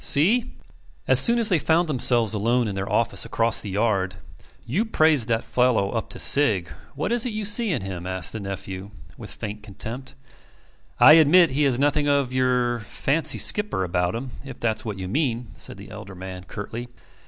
See?" As soon as they found themselves alone in their office across the yard: "You praised that fellow up to Sigg. What is it you see in him?" asked the nephew, with faint contempt. "I admit he has nothing of your fancy skipper about him, if that's what you mean," said the elder man, curtly.